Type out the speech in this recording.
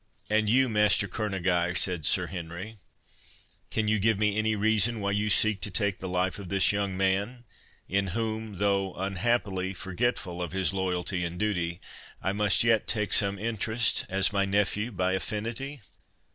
"And you, Master Kerneguy," said Sir Henry, "can you give me any reason why you seek to take the life of this young man, in whom, though unhappily forgetful of his loyalty and duty, I must yet take some interest, as my nephew by affinity?"